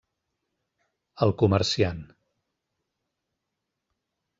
El comerciant: